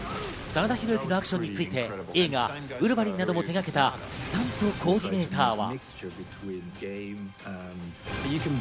真田広之のアクションについて、映画『ウルヴァリン』なども手がけたスタントコーディネーターは。